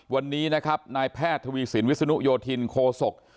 วันนี้นะครับนายแพทย์ทวีสินวิศนุโยธินโคศก